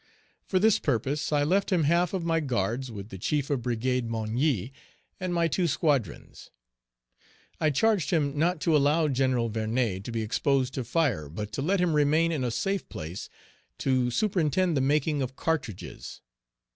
For this purpose I left him half of my guards with the chief of brigade, Magny, and my two squadrons. I charged him not to allow Gen. Vernet to be exposed to fire, but to let him remain in a safe place to superintend the making of cartridges.